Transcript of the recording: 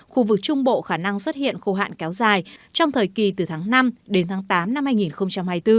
khu vực trung bộ khả năng xuất hiện khô hạn kéo dài trong thời kỳ từ tháng năm đến tháng tám năm hai nghìn hai mươi bốn